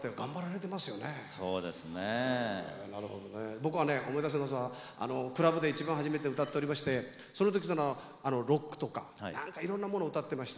僕はね思い出しますのはクラブで一番初めて歌っておりましてその時というのはロックとか何かいろんなもの歌ってました。